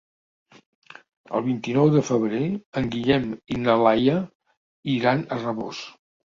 El vint-i-nou de febrer en Guillem i na Laia iran a Rabós.